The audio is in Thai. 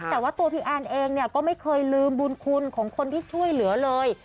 แต่ว่าตัวพี่แอนเองเนี่ยก็ไม่เคยลืมบุญคุณของคนที่ช่วยเหลือเลย